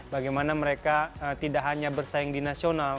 bagaimana mereka tidak hanya bersaing di nasional